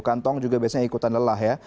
kantong juga biasanya ikutan lelah ya